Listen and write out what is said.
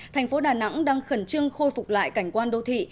thành phố đà nẵng đang khẩn trương khôi phục lại cảnh quan đô thị